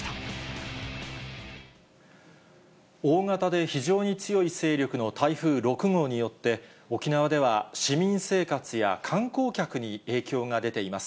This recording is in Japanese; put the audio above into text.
大型で非常に強い勢力の台風６号によって、沖縄では市民生活や観光客に影響が出ています。